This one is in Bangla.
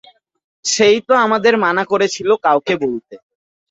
সে-ই তো আমাদের মানা করেছিলেন কাউকে বলতে!